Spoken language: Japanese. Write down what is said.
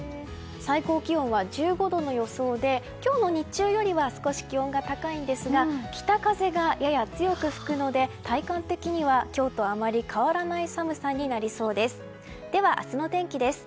最高気温は１５度の予想で今日の日中よりは少し気温が高いんですが北風がやや強く吹くので体感的には今日とあまり変わらない寒さになりそうです。